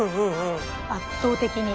圧倒的に。